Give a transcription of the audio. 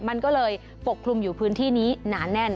มันก็เลยปกคลุมอยู่พื้นที่นี้หนาแน่น